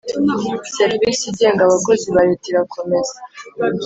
service igenga abakozi ba leta irakomeza